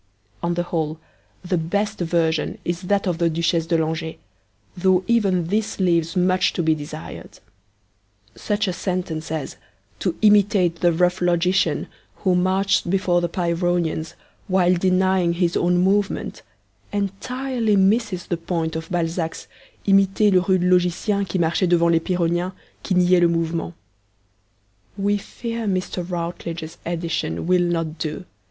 On the whole, the best version is that of the Duchesse de Langeais, though even this leaves much to be desired. Such a sentence as 'to imitate the rough logician who marched before the Pyrrhonians while denying his own movement' entirely misses the point of Balzac's 'imiter le rude logicien qui marchait devant les pyrrhoniens, qui niaient le mouvement.' We fear Mr. Routledge's edition will not do.